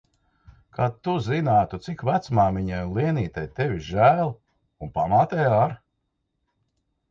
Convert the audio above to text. Kad tu zinātu, cik vecmāmiņai un Lienītei tevis žēl. Un pamātei ar.